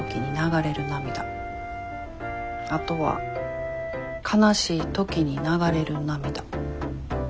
あとは悲しい時に流れる涙。